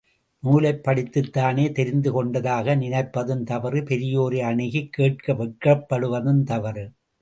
நூலைப் படித்துத் தானே தெரிந்து, கொண்டதாக நினைப்பதும் தவறு, பெரியோரை அணுகிக கேட்க வெட்கப்படுவதும் தவறு.